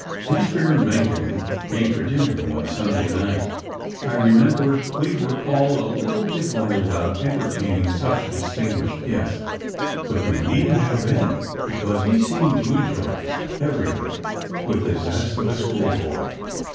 Mr. Mencken came for dinner one Sunday night. I remember we were all a little bit worried about entertaining such a distinguished guest, but we needn't have been because he seemed to enjoy everything with the zest of a schoolboy.